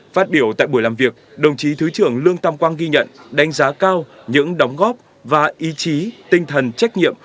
phát biểu tại buổi làm việc đồng chí thứ trưởng lương tam quang ghi nhận đánh giá cao những đóng góp và ý chí tinh thần trách nhiệm